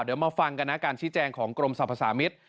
เดี๋ยวมาฟังกันนะการชี้แจงของกรมสรรพสามิตร